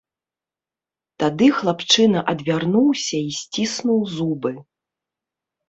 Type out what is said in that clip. Тады хлапчына адвярнуўся і сціснуў зубы.